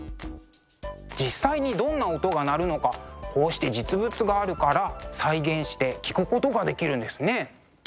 実際にどんな音が鳴るのかこうして実物があるから再現して聴くことができるんですね。